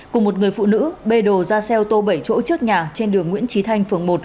cùng một người phụ nữ bê đồ ra xe ô tô bảy chỗ trước nhà trên đường nguyễn trí thanh phường một